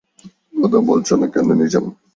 কথা বলছ না কেন নিজাম?